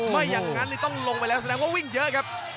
ไม่อย่างนั้นต้องลงไปแล้วแสดงว่าวิ่งเยอะครับ